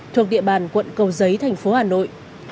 thuộc địa bàn quận cầu giấy thành phố hà nội